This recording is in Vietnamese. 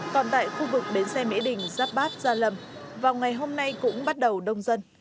còn tại khu vực bến xe mỹ đình giáp bát gia lâm vào ngày hôm nay cũng bắt đầu đông dân